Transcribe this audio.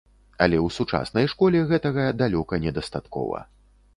Але ў сучаснай школе гэтага далёка недастаткова.